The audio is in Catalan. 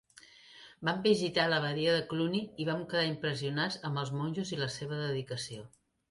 Van visitar l'Abadia de Cluny i van quedar impressionats amb els monjos i la seva dedicació.